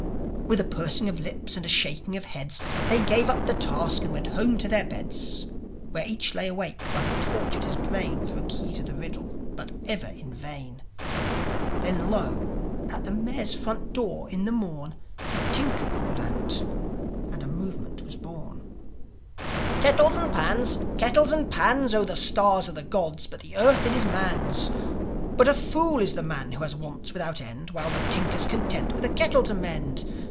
With a pursing of lips and a shaking of heads, They gave up the task and went home to their beds, Where each lay awake while he tortured his brain For a key to the riddle, but ever in vain ... Then, lo, at the Mayor's front door in the morn A tinker called out, and a Movement was born. "Kettles and pans! Kettles and pans! Oh, the stars are the gods'; but the earth, it is man's. But a fool is the man who has wants without end, While the tinker's content with a kettle to mend.